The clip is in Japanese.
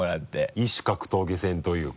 異種格闘技戦というか。